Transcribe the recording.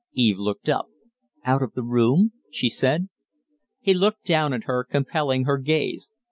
Eve looked up. "Out of the room?" she said. He looked down at her, compelling her gaze.